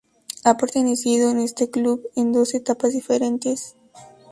Ha pertenecido a en este club en dos etapas diferentes.